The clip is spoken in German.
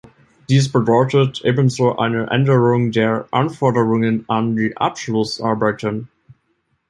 Dies bedeutet ebenso eine Änderung der Anforderungen an die Abschlussarbeiten.